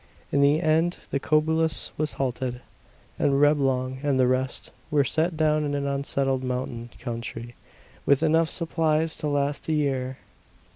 In the end the Cobulus was halted, and Reblong and the rest were set down in an unsettled mountain country, with enough supplies to last a year.